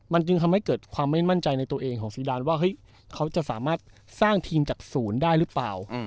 มันจึงทำให้เกิดความไม่มั่นใจในตัวเองของซีดานว่าเฮ้ยเขาจะสามารถสร้างทีมจากศูนย์ได้หรือเปล่า